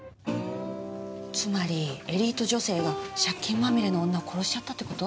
つまりエリート女性が借金まみれの女を殺しちゃったって事？